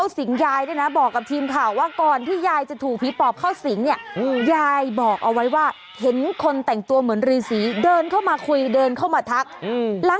สุดท้ายใหญ่บอกออกออกออกออกแล้ววิ่งไปเลยดูซิว่าออกแล้ววิ่งไปไหนฮะ